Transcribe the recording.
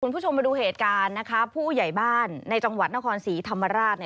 คุณผู้ชมมาดูเหตุการณ์นะคะผู้ใหญ่บ้านในจังหวัดนครศรีธรรมราช